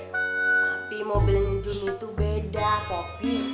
tapi mobilnya jun itu beda popi